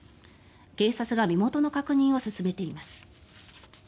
警察が身元の確認を進めています。